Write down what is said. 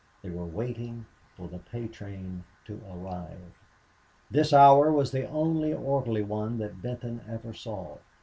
They were waiting for the pay train to arrive. This hour was the only orderly one that Benton ever saw.